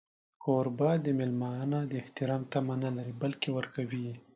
کوربه د مېلمه نه د احترام تمه نه لري، بلکې ورکوي.